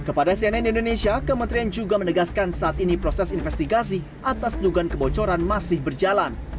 kepada cnn indonesia kementerian juga menegaskan saat ini proses investigasi atas dugaan kebocoran masih berjalan